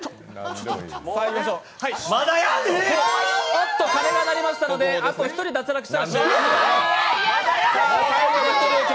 おっと鐘が鳴りましたので、あと１人脱落したら終わりです。